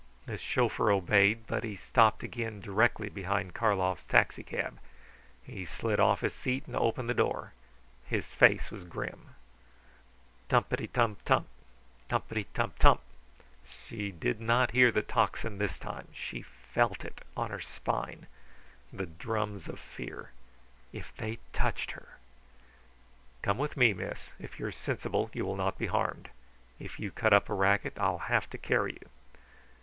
The chauffeur obeyed, but he stopped again directly behind Karlov's taxicab. He slid off his seat and opened the door. His face was grim. Tumpitum tump! Tumpitum tump! She did not hear the tocsin this time; she felt it on her spine the drums of fear. If they touched her! "Come with me, miss. If you are sensible you will not be harmed. If you cut up a racket I'll have to carry you."